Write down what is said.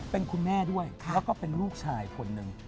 เป็นคุณแม่ด้วยแล้วก็เป็นลูกชายคนหนึ่ง